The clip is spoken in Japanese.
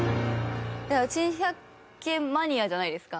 珍百景マニアじゃないですか。